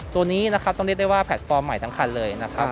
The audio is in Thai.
ตัวนี้นะครับต้องเรียกได้ว่าแพลตฟอร์มใหม่ทั้งคันเลยนะครับ